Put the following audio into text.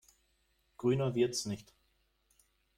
Grüner wird's nicht.